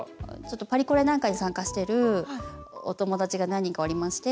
パリコレなんかに参加してるお友達が何人かおりまして。